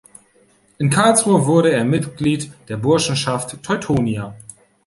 In Karlsruhe wurde er Mitglied der Burschenschaft Teutonia.